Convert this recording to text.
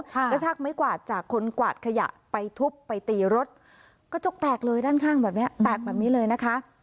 กระชากไม้กวาดจากคนกวาดขยะไปทุบไปตีรถกระจกแตกเลยด้านข้างแบบเนี้ยแตกแบบนี้เลยนะคะ